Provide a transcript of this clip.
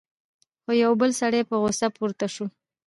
خو یو بل سړی په غصه پورته شو: